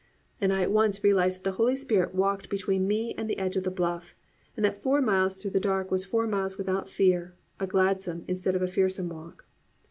And I at once realised that the Holy Spirit walked between me and the edge of the bluff; and that four miles through the dark was four miles without a fear, a gladsome instead of a fearsome walk.